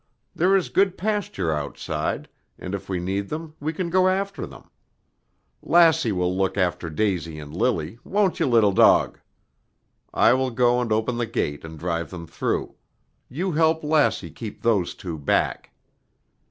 There is good pasture outside, and if we need them we can go after them. Lassie will look after Daisy and Lily, won't you, little dog? I will go and open the gate and drive them through. You help Lassie keep those two back."